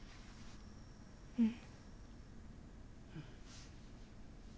うん。